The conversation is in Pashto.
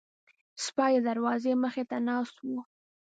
سپي د دروازې مخې ته ناست وو.